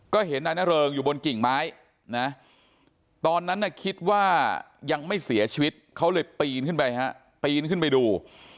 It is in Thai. ก็เห็นนานเริงอยู่บนกิ่งไม้ตอนนั้นคิดว่ายังไม่เสียชีวิตเขาเลยปีนขึ้นไปดู